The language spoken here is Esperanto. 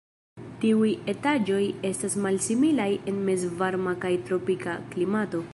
Tiuj etaĝoj estas malsimilaj en mezvarma kaj tropika klimato.